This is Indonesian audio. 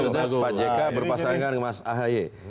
maksudnya pak jk berpasangan mas ahy